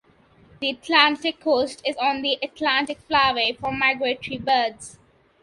The Atlantic coast is on the Atlantic Flyway for migratory birds.